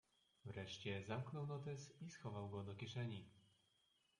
"Wreszcie zamknął notes i schował go do kieszeni."